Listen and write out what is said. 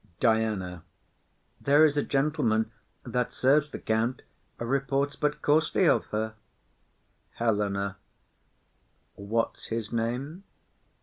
DIANA. There is a gentleman that serves the count Reports but coarsely of her. HELENA. What's his name?